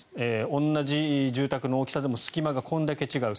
同じ住宅の大きさでも隙間がこれだけ違う。